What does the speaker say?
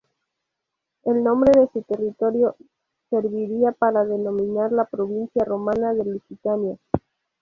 El nombre de su territorio serviría para denominar la provincia romana de Lusitania.